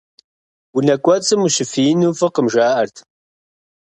Унэ кӀуэцӀым ущыфиину фӀыкъым, жаӀэрт.